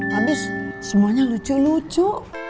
habis semuanya lucu lucu